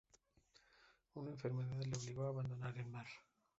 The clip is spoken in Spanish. Una enfermedad le obligó a abandonar el mar.